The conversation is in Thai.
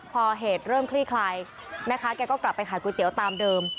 พอเหตุเริ่มคลี่คลายแม่ค้าแกก็กลับไปขายก๋วยเตี๋ยวตามเดิม